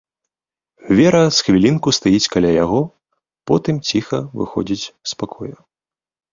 Вера з хвілінку стаіць каля яго, потым ціха выходзіць з пакоя.